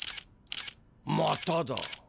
まただ。